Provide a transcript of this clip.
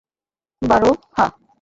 বারো, হাহ?